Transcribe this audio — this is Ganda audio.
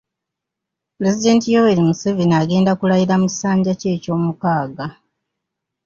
Pulezidenti Yoweri Museveni agenda kulayira ku kisanja kye eky'omukaaga.